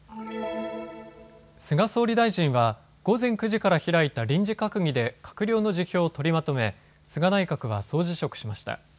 菅総理大臣は午前９時から開いた臨時閣議で閣僚の辞表を取りまとめ菅内閣は総辞職しました。